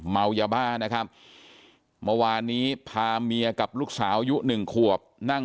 เมายาบ้านะครับเมื่อวานนี้พาเมียกับลูกสาวอายุหนึ่งขวบนั่ง